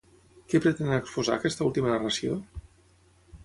Què pretén exposar aquesta última narració?